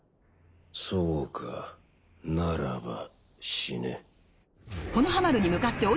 そうかならば死ね。